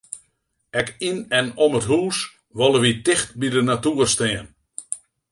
Ek yn en om it hús wolle wy ticht by de natoer stean.